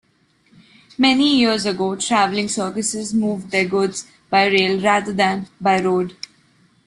Many years ago, travelling circuses moved their goods by rail rather than by road.